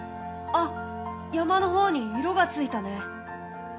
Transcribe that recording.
あ山の方に色がついたね！